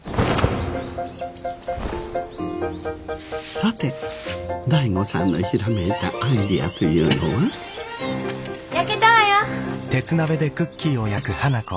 さて醍醐さんのひらめいたアイデアというのは？焼けたわよ！